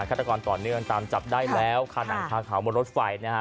ฆาตกรต่อเนื่องตามจับได้แล้วคาหนังคาเขาบนรถไฟนะฮะ